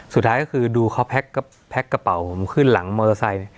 สุดท้ายก็คือดูเขาแพ็คกระเป๋าผมขึ้นหลังมอเตอร์ไซค์